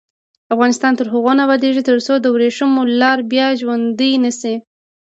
افغانستان تر هغو نه ابادیږي، ترڅو د وریښمو لار بیا ژوندۍ نشي.